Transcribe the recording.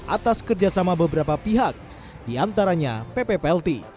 atas kerjasama beberapa pihak diantaranya ppplt